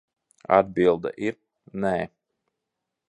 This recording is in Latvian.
Atbilde ir nē.